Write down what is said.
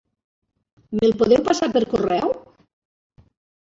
Me'l podeu passar per correu?